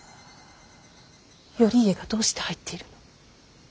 頼家がどうして入っているの。